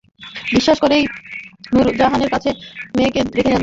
বিশ্বাস করেই তিনি নুরজাহানের কাছে দৃষ্টিপ্রতিবন্ধী মেয়েকে রেখে যান।